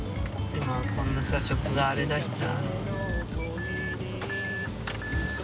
今こんなさ食があれだしさ。